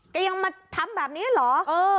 ก็ยังมาทำแบบนี้เหรอเออ